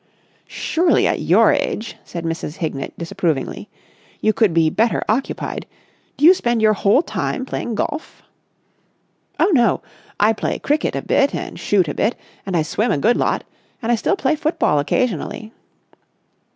"Surely at your age," said Mrs. Hignett, disapprovingly, "you could be better occupied. Do you spend your whole time playing golf?" "Oh, no! I play cricket a bit and shoot a bit and I swim a good lot and I still play football occasionally."